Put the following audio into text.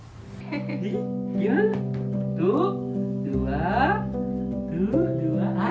satu dua dua dua ah